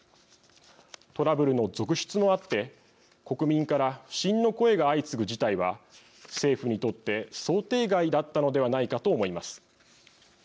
トラブルの続出もあって国民から不信の声が相次ぐ事態は政府にとって想定外だったのではないかと思います。